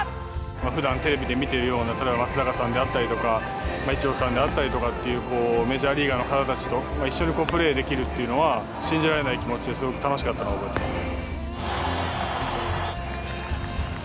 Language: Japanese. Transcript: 普段テレビで見ているような松坂さんであったりとかイチローさんであったりとかっていうメジャーリーガーの方たちと一緒にプレーできるっていうのは信じられない気持ちですごく楽しかったのを覚えてます。